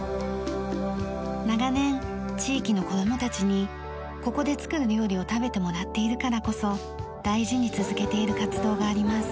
長年地域の子どもたちにここで作る料理を食べてもらっているからこそ大事に続けている活動があります。